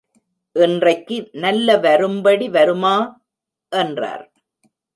இன்றைக்கு நல்ல வரும்படி வருமா? என்றார்.